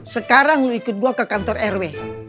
sekarang lu ikut gua ke kantor rw